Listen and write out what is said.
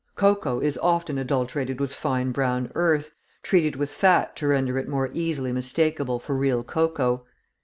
Cocoa is often adulterated with fine brown earth, treated with fat to render it more easily mistakable for real cocoa.